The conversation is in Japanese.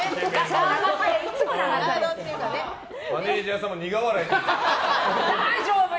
マネジャーさんも苦笑い。